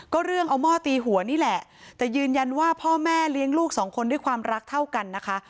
ก็เรื่องเอาหม้อตีหัวนี่แหละแต่ยืนยันว่าพ่อแม่เลี้ยงลูกสองคนด้วยความรักเท่ากันนะคะ